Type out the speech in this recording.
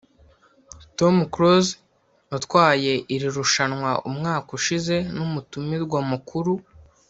Tom Close watwaye iri rushanwa umwaka ushize n’umutumirwa mukuru